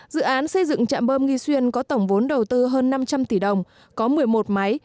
dự án xây dựng trạm bơm nghi xuyên có tổng vốn đầu tư hơn năm trăm linh tỷ đồng có một mươi một máy